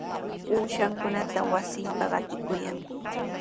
Uushankunata wasinpa qatikuykan.